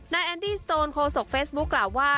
แอนดี้สโตนโคศกเฟซบุ๊คกล่าวว่า